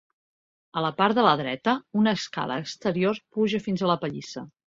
A la part de la dreta, una escala exterior puja fins a la pallissa.